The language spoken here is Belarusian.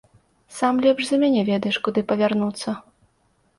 Сам лепш за мяне ведаеш, куды павярнуцца.